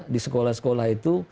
di sekolah sekolah itu